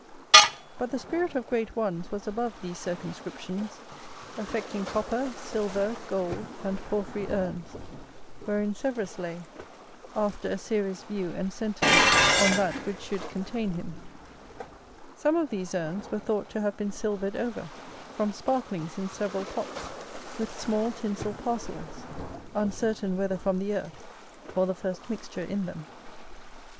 But the spirit of great ones was above these circumscriptions, affecting copper, silver, gold, and porphyry urns, wherein Severus lay, after a serious view and sentence on that which should contain him.[AT] Some of these urns were thought to have been silvered over, from sparklings in several pots, with small tinsel parcels; uncertain whether from the earth, or the first mixture in them. [AQ] St Matt.